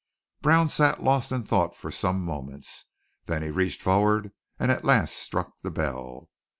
Brown sat lost in thought for some moments. Then he reached forward and at last struck the bell.